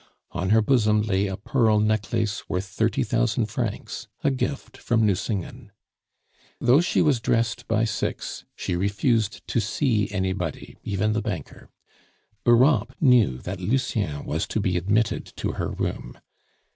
On her bosom lay a pearl necklace worth thirty thousand francs, a gift from Nucingen. Though she was dressed by six, she refused to see anybody, even the banker. Europe knew that Lucien was to be admitted to her room.